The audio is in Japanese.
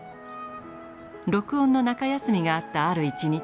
録音の中休みがあったある一日。